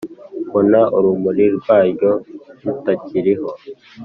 mbona urumuri rwaryo rutakiriho